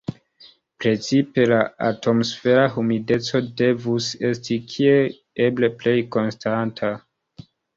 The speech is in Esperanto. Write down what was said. Precipe la atmosfera humideco devus esti kiel eble plej konstanta.